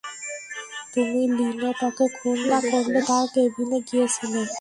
তুমি লিনেটকে খুন না করলেও তার কেবিনে গিয়েছিলে।